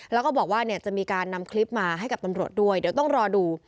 แล้วก็บอกว่าเนี่ยจะมีการนำคลิปมาให้กับตำรวจด้วยเดี๋ยวต้องรอดู